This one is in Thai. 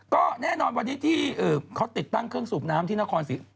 ก็แน่นอนวันนี้ที่เขาติดตั้งเครื่องสูบน้ำที่นครศรี